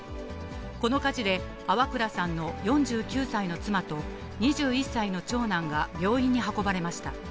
この火事で、粟倉さんの４９歳の妻と、２１歳の長男が病院に運ばれました。